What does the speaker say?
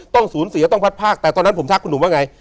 ต้องสูญเสียต้องพัดภาคแต่ตอนนั้นผมทักคุณหนุ่มว่าไง